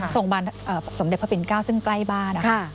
ส่งเด็ดผ้าผิดก้าวซึ่งใกล้บ้านค่ะ